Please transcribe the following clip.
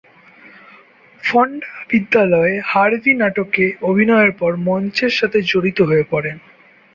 ফন্ডা বিদ্যালয়ে "হার্ভি" নাটকে অভিনয়ের পর মঞ্চের সাথে জড়িত হয়ে পড়েন।